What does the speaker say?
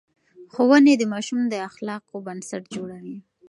ښوونې د ماشوم د اخلاقو بنسټ جوړوي.